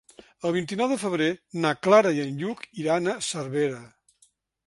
El vint-i-nou de febrer na Clara i en Lluc iran a Cervera.